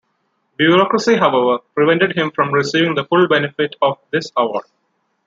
Bureaucracy however prevented him from receiving the full benefit of this award.